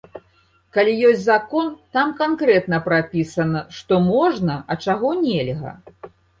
Калі ёсць закон, там канкрэтна прапісана што можна, а чаго нельга.